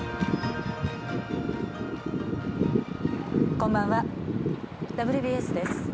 こんばんは「ＷＢＳ」です。